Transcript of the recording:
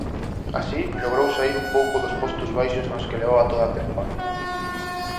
Así logrou saír un pouco dos postos baixos nos que levaba toda a tempada.